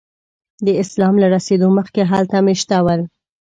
د اسلام له رسېدو مخکې هلته میشته ول.